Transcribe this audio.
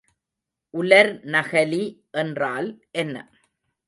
உலர்நகலி என்றால் என்ன?